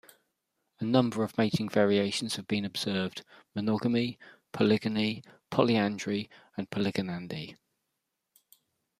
A number of mating variations have been observed: monogamy, polygyny, polyandry, or polygynandy.